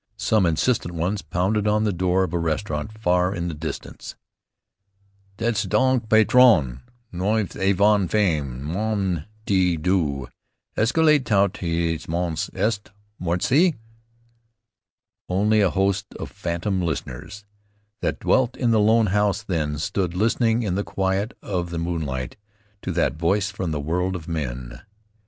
Some insistent ones pounded on the door of a restaurant far in the distance. "Dites donc, patron! Nous avons faim, nom de Dieu! Est ce que tout le monde est mort ici?" "Only a host of phantom listeners, That dwelt in the lone house then, Stood listening in the quiet of the moonlight To that voice from the world of men."